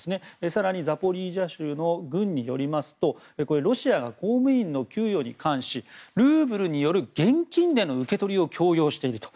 更にザポリージャ州の軍によりますとロシアが公務員の給与に関してルーブルによる現金での受け取りを強要していると。